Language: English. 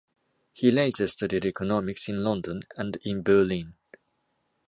He later studied economics in London and in Berlin.